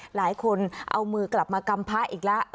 หลายคนเอามือกลับมากำพระอีกแล้ว